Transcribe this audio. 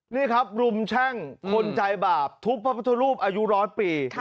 นี่ครับรุมแช่งคนใจบาปทุบพระพุทธรูปอายุร้อยปี